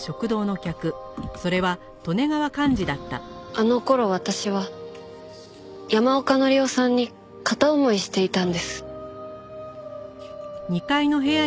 あの頃私は山岡紀夫さんに片思いしていたんです。